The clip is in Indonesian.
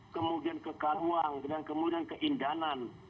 kemudian ke kahuang dan kemudian ke indanan